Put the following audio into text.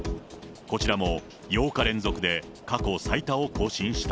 こちらも８日連続で過去最多を更新した。